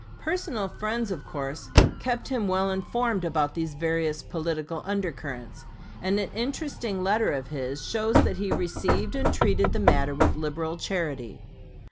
Personal friends, of course, kept him well informed about these various political under currents, and an interesting letter of his shows that he received and treated the matter with liberal charity.